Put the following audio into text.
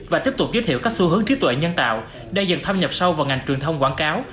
và tiếp tục giới thiệu các xu hướng trí tuệ nhân tạo đang dần tham nhập sâu vào ngành truyền thông quảng cáo